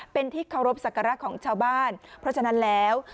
เป็นที่เคารพสักการะของชาวบ้านเพราะฉะนั้นแล้ว